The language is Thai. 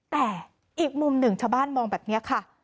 แต่อีกมุมหนึ่งชาวบ้านมองแบบนี้ค่ะ